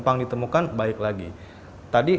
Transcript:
baik itu nama sorry kontak